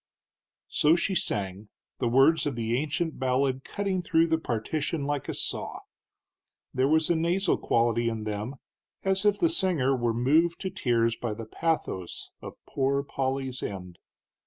So she sang, the words of the ancient ballad cutting through the partition like a saw. There was a nasal quality in them, as if the singer were moved to tears by the pathos of Poor Polly's end.